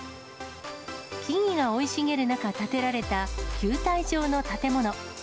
木々が生い茂る中、建てられた球体状の建物。